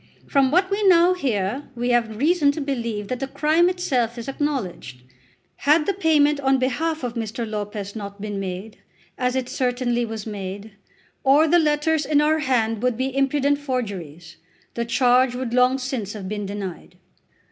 From what we now hear we have reason to believe that the crime itself is acknowledged. Had the payment on behalf of Mr. Lopez not been made, as it certainly was made, or the letters in our hand would be impudent forgeries, the charge would long since have been denied.